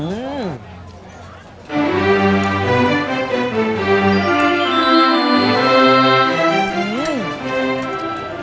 อืม